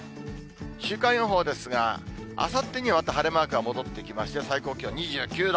週間予報ですが、あさってにはまた晴れマークが戻ってきまして、最高気温２９度。